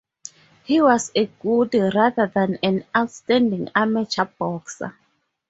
He was a good rather than an outstanding amateur boxer.